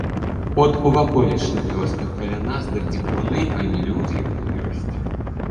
От у ваколічных вёсках каля нас дык дзікуны, а не людзі ёсць.